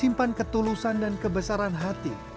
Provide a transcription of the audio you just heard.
simpan ketulusan dan kebesaran hati